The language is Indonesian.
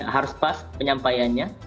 harus pas penyampaiannya